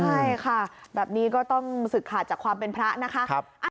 ใช่ค่ะแบบนี้ก็ต้องศึกขาดจากความเป็นพระนะคะ